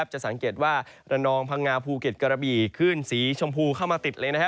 จะสังเกตว่าระนองพังงาภูเก็ตกระบี่ขึ้นสีชมพูเข้ามาติดเลยนะฮะ